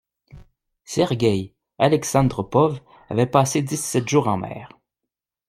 Sergeï Alexandropov avait passé dix-sept jours en mer.